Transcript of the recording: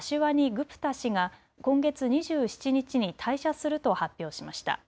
・グプタ氏が今月２７日に退社すると発表しました。